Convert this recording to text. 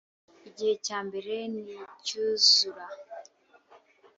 Igice cya mbere nicyuzura